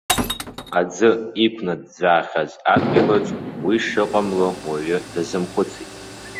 Аӡы иқәнаӡәӡәаахьаз адгьылаҿ уи шыҟамло уаҩ дазымхәыцит.